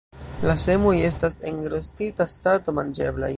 La semoj estas en rostita stato manĝeblaj.